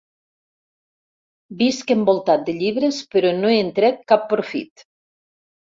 Visc envoltat de llibres però no en trec cap profit.